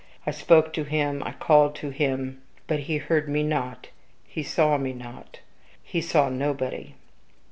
I spoke to him I called to him; but he heard me not he saw me not. He saw nobody.